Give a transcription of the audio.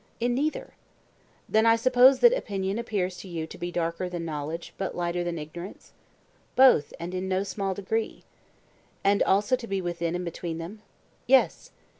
In neither. Then I suppose that opinion appears to you to be darker than knowledge, but lighter than ignorance? Both; and in no small degree. And also to be within and between them? Yes.